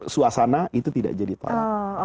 suasana itu tidak jadi tolak